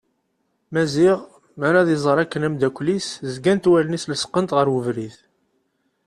Maziɣ mi ara ad iẓer akken amddakel-is zgant wallen-is lesqent ɣer ubrid.